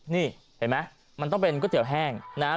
นี่เห็นไหมมันต้องเป็นก๋วยเตี๋ยวแห้งนะครับ